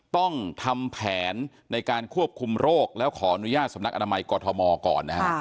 ต้องทำแผนในการควบคุมโรคแล้วขออนุญาตสำนักอนามัยกอทมก่อนนะฮะ